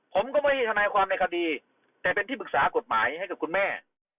ผมก็ไม่ใช่ทนายความในคดีแต่เป็นที่ปรึกษากฎหมายให้กับคุณแม่